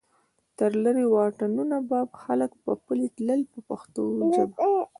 تر لرې واټنونو به خلک پلی تلل په پښتو ژبه.